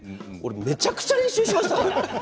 めちゃくちゃ練習しました。